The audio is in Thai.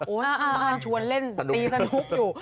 ที่บ้านชวนเล่นตีสนุกอยู่